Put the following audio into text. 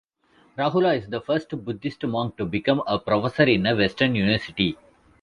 Rahula is the first Buddhist monk to become a professor in a Western University.